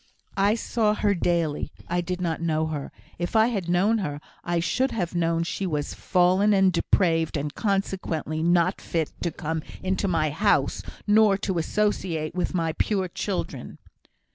"I saw her daily I did not know her. If I had known her, I should have known she was fallen and depraved, and consequently not fit to come into my house, nor to associate with my pure children."